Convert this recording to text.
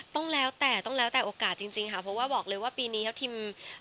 ต้องแล้วแต่โอกาสจริงค่ะเพราะว่าบอกเลยว่าปีนี้ครับทิม